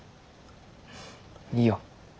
いいよ。